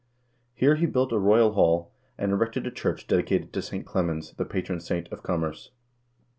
Here he built a royal hall, and erected a church dedicated to St. Clemens, the patron saint of commerce.